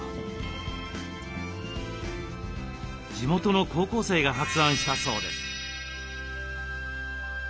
地元の高校生が発案したそうです。